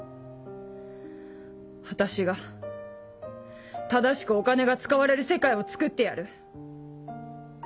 私が正しくお金が使われる世界をつくってやる。